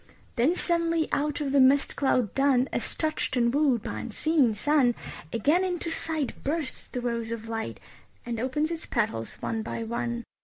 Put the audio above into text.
Then suddenly out of the mist cloud dun, As touched and wooed by unseen sun, Again into sight bursts the rose of light And opens its petals one by one.